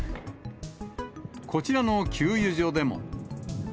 こちらの給油所でも。